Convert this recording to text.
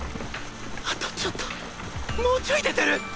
あとちょっともうちょいで出る！！